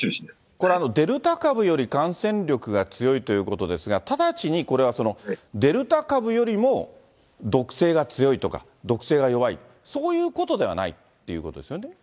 これデルタ株より感染力が強いということですが、直ちにこれはデルタ株よりも毒性が強いとか、毒性が弱い、そういうことではないということですよね。